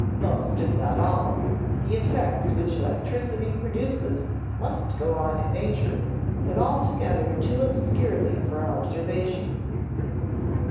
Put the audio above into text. Most, if not all, the effects which electricity produces must go on in nature, but altogether too obscurely for observation."